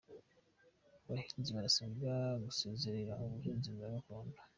Abahinzi barasabwa gusezerera ubuhinzi bwa gakondo